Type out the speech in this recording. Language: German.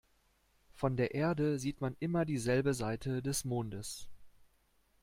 Von der Erde sieht man immer dieselbe Seite des Mondes.